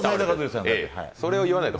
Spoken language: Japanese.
それを言わないと。